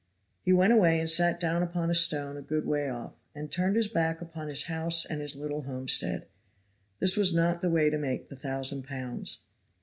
He went away and sat down upon a stone a good way off, and turned his back upon his house and his little homestead. This was not the way to make the thousand pounds.